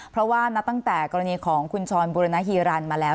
เพราะว่าตั้งแต่กรณีของคุณช้อนบูรณฮีรันทร์มาแล้ว